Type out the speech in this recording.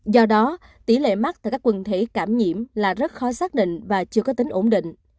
do đó tỷ lệ mắc tại các quần thể cảm nhiễm là rất khó xác định và chưa có tính ổn định